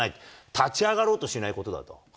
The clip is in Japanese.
立ち上がろうとしないことだと。